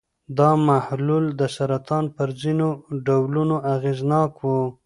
دا محلول د سرطان پر ځینو ډولونو اغېزناک و.